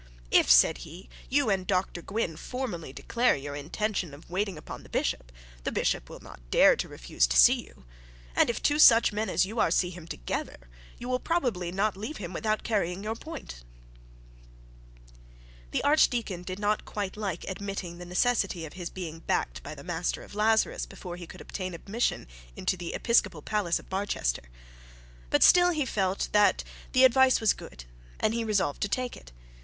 'If,' said he, 'you and Dr Gwynne formally declare your intention of waiting upon the bishop, the bishop will not dare to refuse to see you; and if two such men as you see him together, you will probably not leave him without carrying your point.' The archdeacon did not quite like admitting the necessity of his being backed by the master of Lazarus before he could obtain admission into the episcopal palace of Barchester; but still he felt that the advice was good, and he resolved to take it.